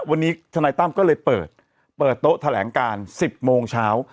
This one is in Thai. วันนี้ทนายตั้มก็เลยเปิดเปิดโต๊ะแถลงการ๑๐โมงเช้า